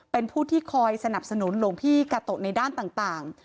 เป็นผู้ที่คอยสนับสนุนหลวงพี่กาโตะในด้านต่าง